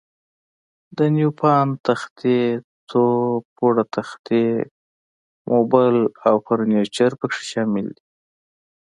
د نیوپان تختې، څو پوړه تختې، موبل او فرنیچر پکې شامل دي.